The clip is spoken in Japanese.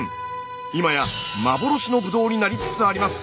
今や幻のブドウになりつつあります。